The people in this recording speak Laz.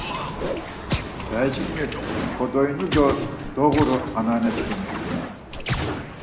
Dayişǩimi kodvorinu do doğuru anneaneşǩimi!